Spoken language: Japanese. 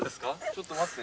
ちょっと待って。